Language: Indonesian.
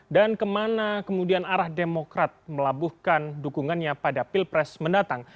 dan kemana kemudian arah demokrat melabuhkan dukungannya pada pilpres mendatang